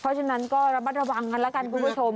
เพราะฉะนั้นก็ระมัดระวังกันแล้วกันคุณผู้ชม